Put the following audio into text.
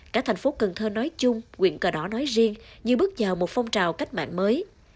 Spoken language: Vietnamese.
cả thành phố cần thơ nói chung quyền cờ đỏ nói riêng như bước vào một phong trào cách mạng mới